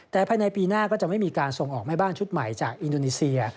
แต่ภายในปีหน้าก็จะไม่มีการส่งออกแม่บ้านชุดใหม่จากอินโดนีเซีย